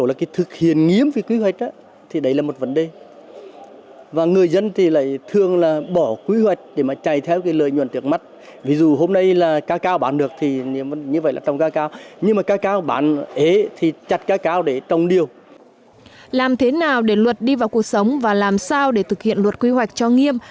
làm thế nào để luật đi vào cuộc sống và làm sao để thực hiện luật quy hoạch cho nghiệp